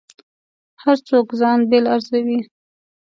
هر څوک ځان بېل ارزوي.